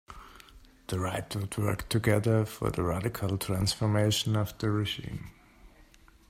The right would work together for 'the radical transformation of the regime.